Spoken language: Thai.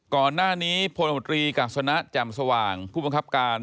ก่อนหน้านี้พลมตรีกาศนะแจ่มสว่างผู้บังคับการ